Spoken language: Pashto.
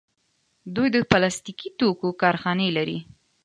دوی د پلاستیکي توکو کارخانې لري.